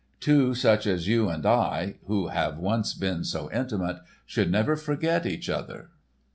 Two such as you and I who have once been so intimate, should never forget each other."